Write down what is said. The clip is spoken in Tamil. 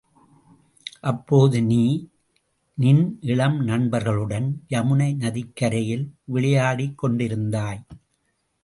அப்போது நீ, நின் இளம் நண்பர்களுடன் யமுனை நதிக்கரையில் விளையாடிக் கொண்டிருந்தாய்.